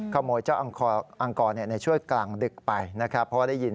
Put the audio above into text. ขโมยเจ้าอังกรในช่วยกลางดึกไปนะครับ